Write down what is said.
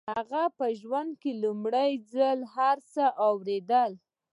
هغه په ژوند کې لومړي ځل هر څه واورېدل.